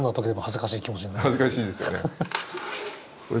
恥ずかしいですよね。